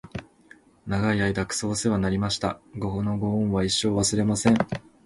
長い間クソおせわになりました！！！このご恩は一生、忘れません！！